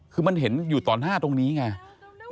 คือมันเห็นอยู่ต่อหน้าตรงนี้ไง